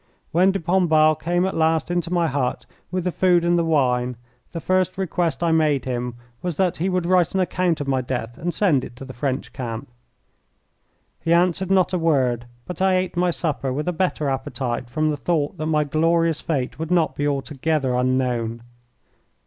When de Pombal came at last into my hut with the food and the wine, the first request I made him was that he would write an account of my death and send it to the French camp. He answered not a word, but I ate my supper with a better appetite from the thought that my glorious fate would not be altogether unknown.